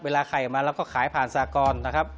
เวลาไข่มาเราก็ขายผ่านสหกรนะครับ